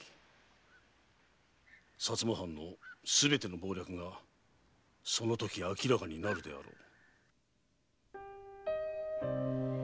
薩摩藩のすべての謀略がそのとき明らかになるであろう。